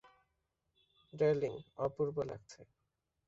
Darling, অপূর্ব লাগছে।